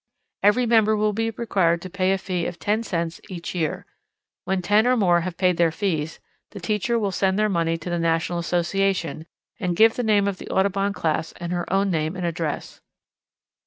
Every member will be required to pay a fee of ten cents each year. When ten or more have paid their fees, the teacher will send their money to the National Association, and give the name of the Audubon Class and her own name and address.